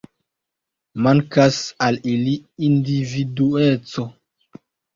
Mankas al ili individueco.